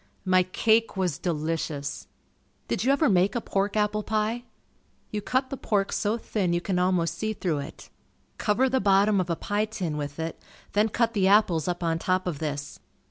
My cake was delicious. Did you ever make a pork apple pie? You cut the pork so thin you can almost see through it. Cover the bottom of a pie tin with it, then cut the apples up on top of this.